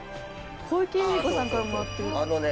小池百合子さんからもらってる。